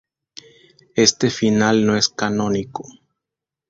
Este final no es canónico.